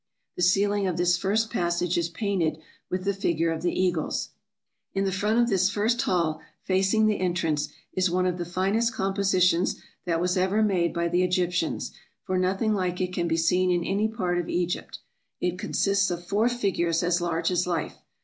The ceiling of this first passage is painted with the figure of the eagles. In the front of this first hall, facing the entrance, is one of the finest compositions that was ever made by the Egyp tians, for nothing like it can be seen in any part of Egypt. It consists of four figures as large as life.